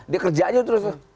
dia kerja aja terus